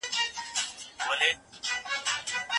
د ژوند د کچې د لوړولو هڅې روانې دي.